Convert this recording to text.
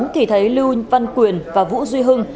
thì thấy lưu văn quyền và vũ duy hưng